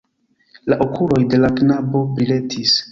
La okuloj de la knabo briletis.